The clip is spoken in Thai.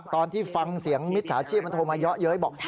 ตอนที่ฟังเสียงมิจฉาชีพมันโทรมาเยอะเย้ยบอก